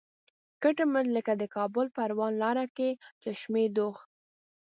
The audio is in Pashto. کټ مټ لکه د کابل پروان لاره کې چشمه دوغ.